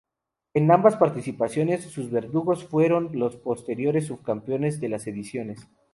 En ambas participaciones, sus verdugos fueron los posteriores subcampeones de las ediciones.